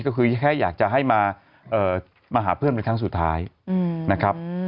ก็คือแค่อยากจะให้มาหาเพื่อนเป็นครั้งสุดท้ายนะครับ